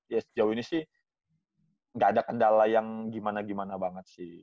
ya sejauh ini sih nggak ada kendala yang gimana gimana banget sih